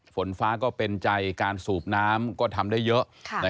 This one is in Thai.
ฝนฟ้าก็เป็นใจการสูบน้ำก็ทำได้เยอะ